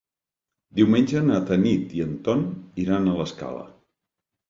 Diumenge na Tanit i en Ton iran a l'Escala.